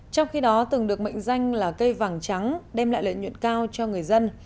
trong khi đó từng được mệnh danh là cây vàng trắng đem lại lợi nhuận cao cho người dân